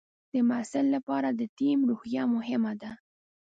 د محصل لپاره د ټیم روحیه مهمه ده.